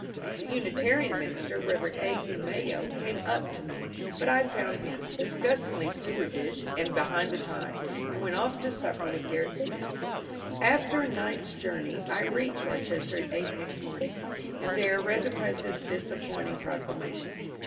The Unitarian minister. Rev. A. D. Mayo, came up to me, but I found him ^ disgustingly Sewardish and behind the time," and went off to supper with Gerrit Smith. After a night's journey I reached Rochester at eight next morning, and there read the President's disappointing proclamation.